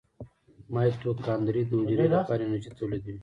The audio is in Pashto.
مایتوکاندري د حجرې لپاره انرژي تولیدوي